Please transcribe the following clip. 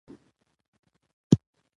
په خپل کار کې ریښتیني اوسئ.